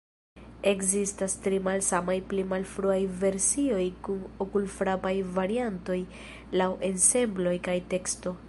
Ekzistas tri malsamaj pli malfruaj versioj kun okulfrapaj variantoj laŭ ensemblo kaj teksto.